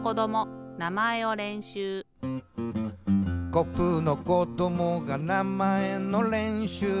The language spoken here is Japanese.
「コップのこどもがなまえのれんしゅう」